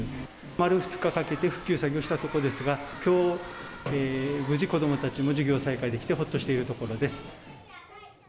丸２日かけて復旧作業したところですが、きょう、無事子どもたちも授業再開できてほっとしているところです。